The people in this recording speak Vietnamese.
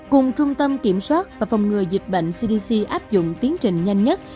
cùng trung tâm kiểm soát và phòng ngừa dịch bệnh cdc áp dụng tiến trình nhanh nhất